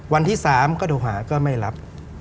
วันที่๓ก็โทรหาก็ไม่รับ